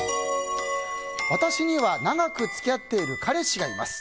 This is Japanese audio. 私には長く付き合っている彼氏がいます。